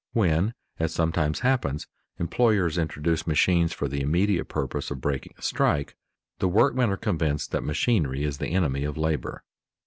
When, as sometimes happens, employers introduce machines for the immediate purpose of breaking a strike, the workmen are convinced that machinery is the enemy of labor.